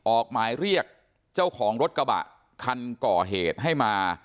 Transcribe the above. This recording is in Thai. ออกหมายเรียกเจ้าของรถกระบะคันก่อเหตุให้มา